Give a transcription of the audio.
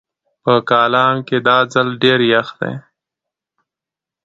په کالام کې دا ځل ډېر يخ دی